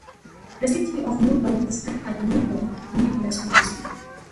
The City of New Home is served by the New Home Independent School District.